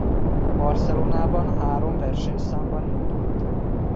Barcelonában három versenyszámban indult.